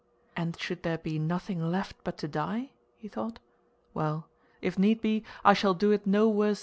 "And should there be nothing left but to die?" he thought. "Well, if need be, I shall do it no worse than others."